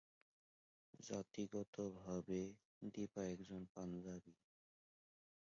জাতিগতভাবে দীপা একজন পাঞ্জাবি।